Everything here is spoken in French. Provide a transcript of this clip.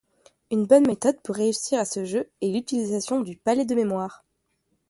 Une bonne méthode pour réussir à ce jeu, est l'utilisation du Palais de mémoire.